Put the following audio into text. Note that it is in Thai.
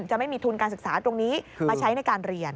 จะไม่มีทุนการศึกษาตรงนี้มาใช้ในการเรียน